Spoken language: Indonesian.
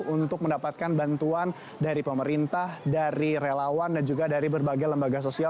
untuk mendapatkan bantuan dari pemerintah dari relawan dan juga dari berbagai lembaga sosial